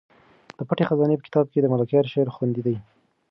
د پټې خزانې په کتاب کې د ملکیار شعر خوندي دی.